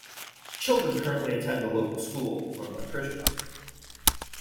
Children currently attend a local school, run by Christians.